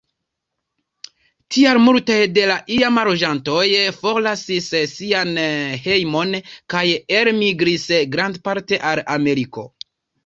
Tial multaj de la iama loĝantoj forlasis sian hejmon kaj elmigris grandparte al Ameriko.